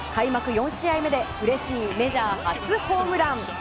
４試合目でうれしいメジャー初ホームラン。